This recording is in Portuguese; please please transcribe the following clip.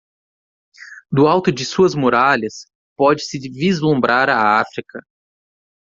Do alto de suas muralhas, pode-se vislumbrar a África.